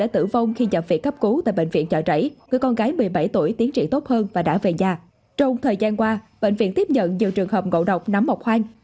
trong thời gian qua bệnh viện tiếp nhận nhiều trường hợp ngộ độc nắm mọc hoang